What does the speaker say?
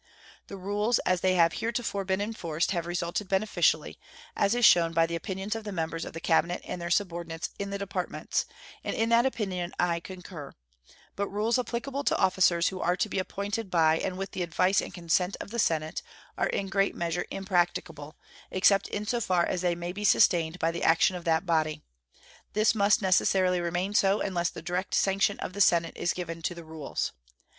The rules, as they have heretofore been enforced, have resulted beneficially, as is shown by the opinions of the members of the Cabinet and their subordinates in the Departments, and in that opinion I concur; but rules applicable to officers who are to be appointed by and with the advice and consent of the Senate are in great measure impracticable, except in so far as they may be sustained by the action of that body. This must necessarily remain so unless the direct sanction of the Senate is given to the rules.